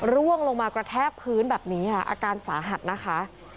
ร่วงลงมากระแทกพื้นแบบนี้ค่ะอาการสาหัสนะคะ